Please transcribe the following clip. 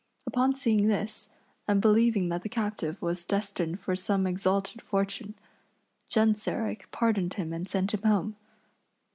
Upon seeing this, and believing that the captive was destined for some exalted fortune, Genseric pardoned him and sent him home.